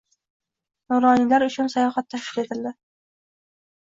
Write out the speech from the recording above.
Nuroniylar uchun sayohat tashkil etildi